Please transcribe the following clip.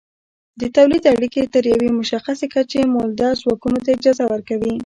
د تولید اړیکې تر یوې مشخصې کچې مؤلده ځواکونو ته اجازه ورکوي.